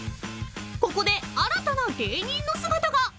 ［ここで新たな芸人の姿が］